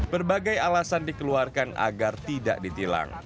berbagai alasan dikeluarkan agar tidak ditilang